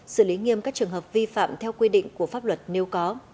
xử lý nghiêm các trường hợp vi phạm theo quy định của pháp luật nếu có